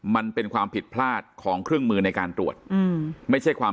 มันเป็นความผิดพลาดของเครื่องมือในการตรวจอืมไม่ใช่ความ